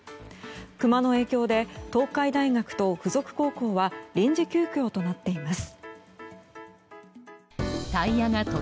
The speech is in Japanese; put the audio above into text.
クマの影響で東海大学と付属高校は臨時休校となっています。